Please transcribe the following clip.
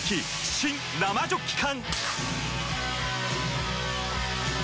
新・生ジョッキ缶！